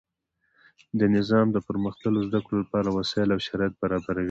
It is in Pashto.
نظام د پرمختللو زده کړو له پاره وسائل او شرایط برابروي.